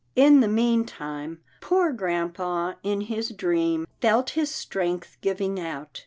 In the meantime, poor grampa in his dream, felt his strength giving out.